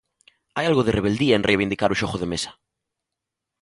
Hai algo de rebeldía en reivindicar o xogo de mesa.